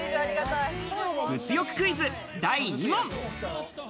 物欲クイズ、第２問。